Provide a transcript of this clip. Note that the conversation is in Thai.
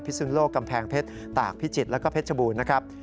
สุนโลกกำแพงเพชรตากพิจิตรแล้วก็เพชรบูรณ์นะครับ